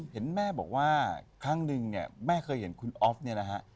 เห็นแม่บอกว่าครั้งนึงเนี่ยแม่เคยเห็นคุณออฟเนี่ยนะฮะ